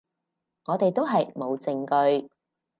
我哋都係冇證據